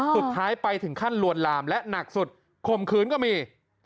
สุดท้ายไปถึงขั้นลวนลามและหนักสุดข่มขืนก็มี